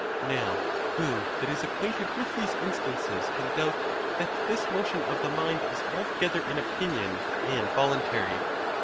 Now who that is ac quainted with these instances can doubt that this motion of the mind is altogether in opinion and voluntary?